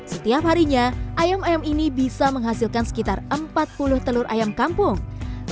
setiap harinya ayam ayam ini bisa menghasilkan sekitar empat puluh telur ayam kampung